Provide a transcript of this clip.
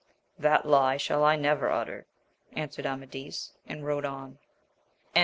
That lie shall I never utter, answered Amadis, and rode on. VOL.